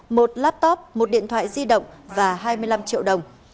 một laptop một điện thoại di động và hai mươi năm triệu đồng